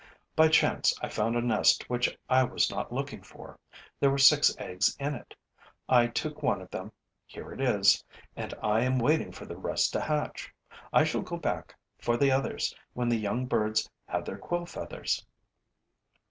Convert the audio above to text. By chance I found a nest which I was not looking for. There were six eggs in it. I took one of them here it is and I am waiting for the rest to hatch. I shall go back for the others when the young birds have their quill feathers.